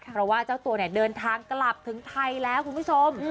เพราะว่าเจ้าตัวเนี่ยเดินทางกลับถึงไทยแล้วคุณผู้ชม